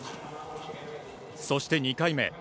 そして２回目。